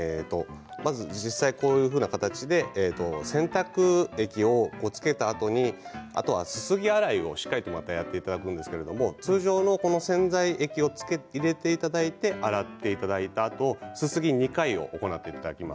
実際に、このような形で洗濯液をつけたあとにすすぎ洗いをしっかりやっていただくんですが通常の洗剤液を入れていただいて洗っていただいたあとすすぎは２回、行ってください。